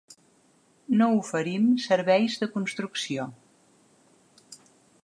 No oferim serveis de construcció.